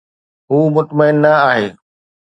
هو مطمئن نه آهي